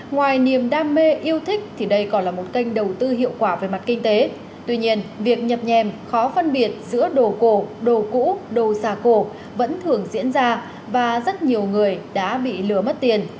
ngoài niềm đam mê yêu thích thì đây còn là một kênh đầu tư hiệu quả về mặt kinh tế tuy nhiên việc nhập nhèm khó phân biệt giữa đồ cổ đồ cũ đồ giả cổ vẫn thường diễn ra và rất nhiều người đã bị lừa mất tiền